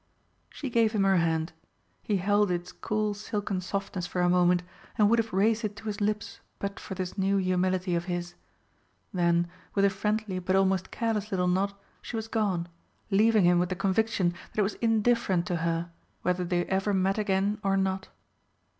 She gave him her hand; he held its cool silken softness for a moment and would have raised it to his lips but for this new humility of his. Then, with a friendly but almost careless little nod, she was gone, leaving him with the conviction that it was indifferent to her whether they ever met again or not.